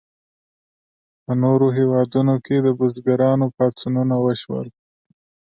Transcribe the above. په نورو هیوادونو کې د بزګرانو پاڅونونه وشول.